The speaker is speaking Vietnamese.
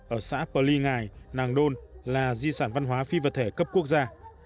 ở xã pờ ly ngài nàng đôn là di sản văn hóa phi vật thể cấp quốc gia